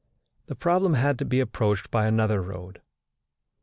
The problem had to be approached by another road.